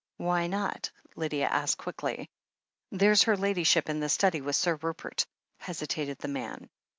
"Why not?" Lydia asked quickly. "There's her Ladyship in the study with Sir Rupert," hesitated the man.